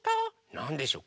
なんでしょう？